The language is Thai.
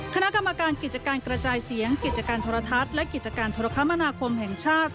คณะกรรมการกิจการกระจายเสียงกิจการโทรทัศน์และกิจการโทรคมนาคมแห่งชาติ